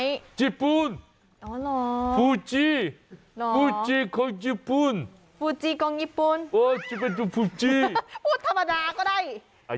ญี่ปุ่นฟูจิฟูจิของญี่ปุ่นฟูจิของญี่ปุ่นพูดธรรมดาก็ได้